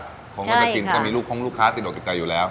ของก็จะกินก็มีลูกของลูกค้าติดอกติดใจอยู่แล้ว